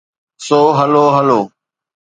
سو hello هلو.